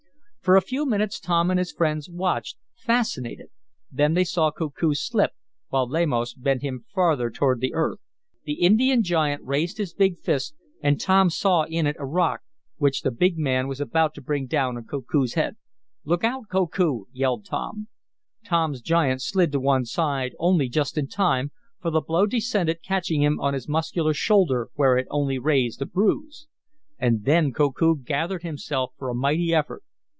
For a few minutes Tom and his friends watched, fascinated. Then they saw Koku slip, while Lamos bent him farther toward the earth. The Indian giant raised his big fist, and Tom saw in it a rock, which the big man was about to bring down on Koku's head. "Look out, Koku!" yelled Tom. Tom's giant slid to one side only just in time, for the blow descended, catching him on his muscular shoulder where it only raised a bruise. And then Koku gathered himself for a mighty effort.